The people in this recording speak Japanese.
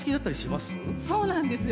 そうなんですよ。